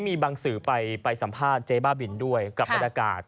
มีบางสื่อไปสัมภาษณ์เจ๊บ้าบินด้วยกับบรรยากาศ